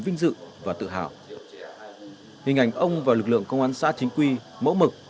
vinh dự và tự hào hình ảnh ông và lực lượng công an xã chính quy mẫu mực như thế này đã được phát triển